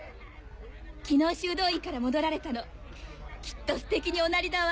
昨日修道院から戻られたのきっとステキにおなりだわ。